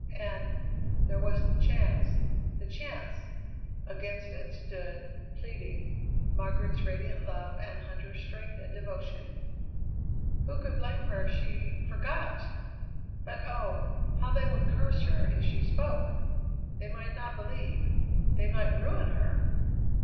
And there was the chance the chance! Against it stood, pleading, Margaret's radiant love and Huntter's strength and devotion. Who could blame her if she forgot? But oh! how they would curse her if she spoke! They might not believe; they might ruin her!